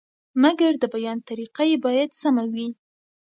مګر د بیان طریقه یې باید سمه وي.